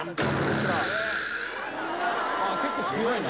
結構強いな。